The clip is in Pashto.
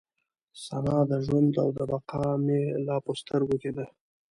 ثنا د ژوند او د بقا مې لا په سترګو کې ده.